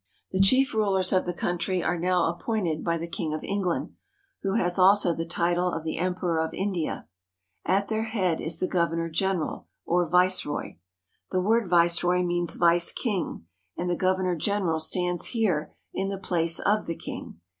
The chief rulers of the country are now appointed by the king of England, who has also the title of the Emperor of India. At their head is the Governor general, or Viceroy. The word " viceroy " means vice king, and the Governor GENERAL VIEW OF INDIA 237 general stands here in the place of the king.